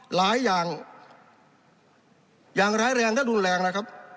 หลายอย่างอย่างร้ายแรงและรุนแรงนะครับ